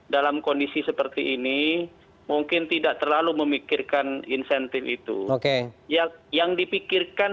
dalam kondisi seperti ini mungkin tidak terlalu memikirkan insentif itu oke yang dipikirkan